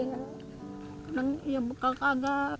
kadang ya kagak kagak